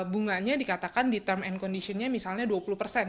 bunganya dikatakan di term and conditionnya misalnya dua puluh persen